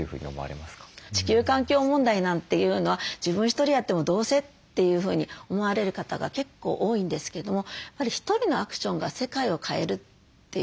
地球環境問題なんていうのは自分ひとりやってもどうせというふうに思われる方が結構多いんですけどもひとりのアクションが世界を変えるというこういうことはあると思うんです。